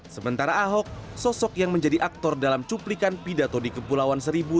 sementara ahok sosok yang menjadi aktor dalam cuplikan pidato di kepulauan seribu